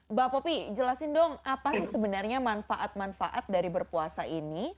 mbak popi jelasin dong apa sih sebenarnya manfaat manfaat dari berpuasa ini